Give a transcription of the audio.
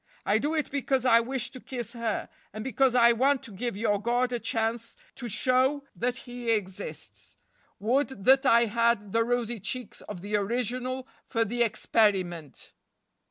I do it because I wish to kiss her, and because I want to give your God a chance to show that He exists. Would that I had the rosy cheeks of the original for the experiment!